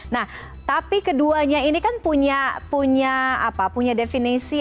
nah tapi keduanya ini kan punya definisi